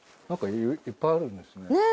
いっぱいあるんですね。